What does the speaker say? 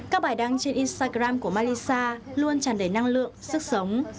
các bài đăng trên instagram của malisa luôn tràn đầy năng lượng sức sống